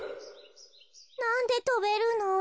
なんでとべるの？